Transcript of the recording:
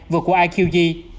vượt qua iqg